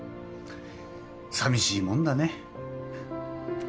寂しいもんだね。